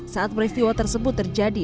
saat peristiwa tersebut terjadi